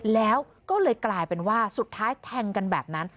แล้วก็เลยกลายเป็นว่าสุดท้ายแทงกันแบบนั้น